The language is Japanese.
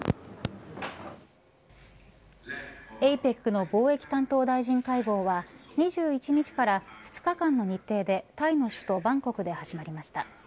ＡＰＥＣの貿易担当大臣会合は２１日から２日間の日程でタイの首都バンコクで始まりました。